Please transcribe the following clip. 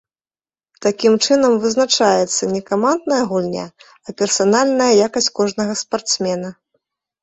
Такім чынам вызначаецца не камандная гульня, а персанальныя якасці кожнага спартсмена.